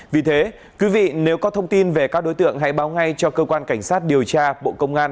vì thế quý vị nếu có thông tin về các đối tượng hãy báo ngay cho cơ quan cảnh sát điều tra bộ công an